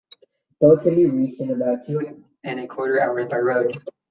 Both can be reached in about two and a quarter hours by road.